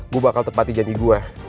gue bakal tepati jadi gue